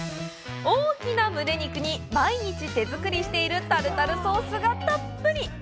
大きなむね肉に、毎日手作りしているタルタルソースがたっぷり！